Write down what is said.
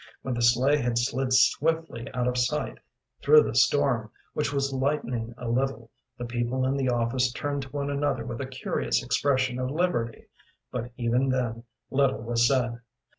When the sleigh had slid swiftly out of sight through the storm, which was lightening a little, the people in the office turned to one another with a curious expression of liberty, but even then little was said.